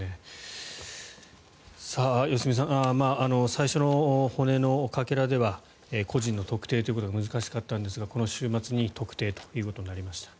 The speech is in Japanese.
良純さん、最初の骨のかけらでは個人の特定というのは難しかったんですがこの週末に特定となりました。